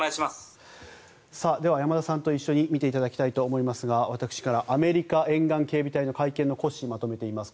では山田さんと一緒に見ていただきたいと思いますが私から、アメリカ沿岸警備隊の会見をまとめています。